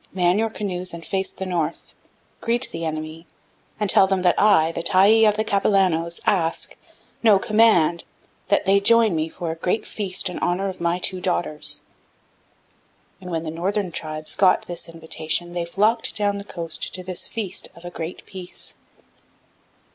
Man your canoes and face the north, greet the enemy, and tell them that I, the Tyee of the Capilanos, ask no, command that they join me for a great feast in honor of my two daughters.' And when the northern tribes got this invitation they flocked down the coast to this feast of a Great Peace.